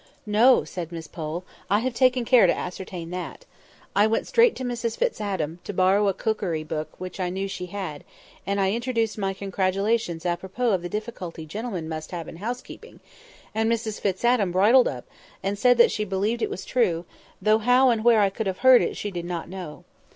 "No," said Miss Pole. "I have taken care to ascertain that. I went straight to Mrs Fitz Adam, to borrow a cookery book which I knew she had; and I introduced my congratulations à propos of the difficulty gentlemen must have in house keeping; and Mrs Fitz Adam bridled up, and said that she believed it was true, though how and where I could have heard it she did not know.